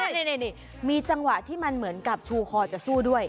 นี่มีจังหวะที่มันเหมือนกับชูคอจะสู้ด้วย